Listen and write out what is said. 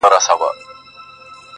له لیري د جرس ږغونه اورمه زنګېږم٫